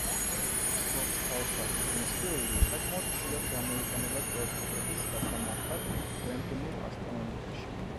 კიბორჩხალსახის ნისლეული საკმაოდ ხშირად გამოიყენება ტელესკოპების გასამართად რენტგენულ ასტრონომიაში.